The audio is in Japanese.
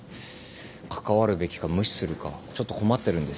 関わるべきか無視するかちょっと困ってるんです。